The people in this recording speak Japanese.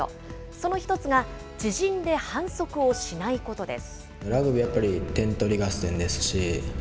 その一つが、自陣で反則をしないことです。